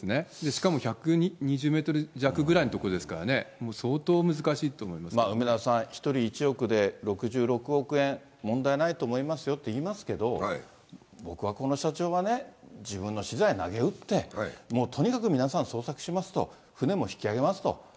しかも１２０メートル弱ぐらいの所ですからね、もう相当難しいと梅沢さん、１人１億で６６億円、問題ないと思いますよといいますけど、僕はこの社長はね、自分の資材なげうって、もうとにかく皆さん捜索しますと、船も引き揚げますと。